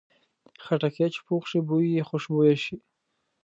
خټکی چې پوخ شي، بوی یې خوشبویه شي.